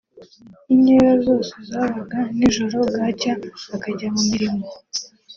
inkera zose zabaga nijoro bwacya bakajya mu mirimo